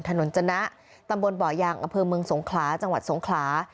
ถนนจนะตำบลบ่อยางอำเภอเมืองสงขลาจังหวัดสงขลา